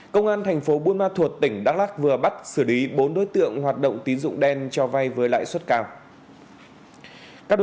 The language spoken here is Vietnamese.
công an thành phố buôn ma thuột tỉnh đắk lắc vừa bắt xử lý bốn đối tượng hoạt động tín dụng đen cho vay với lãi suất cao